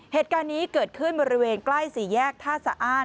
เหตุการณ์นี้เกิดขึ้นบริเวณใกล้สี่แยกท่าสะอ้าน